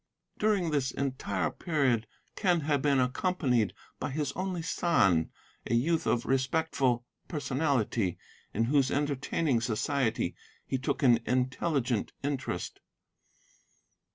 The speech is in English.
"During this entire period Quen had been accompanied by his only son, a youth of respectful personality, in whose entertaining society he took an intelligent interest.